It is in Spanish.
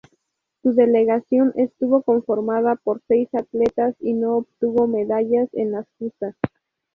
Su delegación estuvo conformada por seis atletas y no obtuvo medallas en las justas.